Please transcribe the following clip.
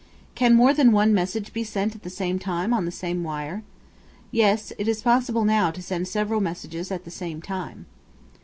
Can more than one message be sent at the same time on the same wire? Yes; it is possible now to send several messages at the same time.